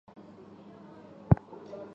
塞多费塔是葡萄牙波尔图区的一个堂区。